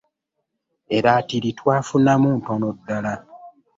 Eratiri twafunamu ntono ddala.